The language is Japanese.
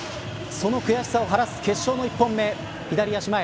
その悔しさを晴らす決勝の１本目左足前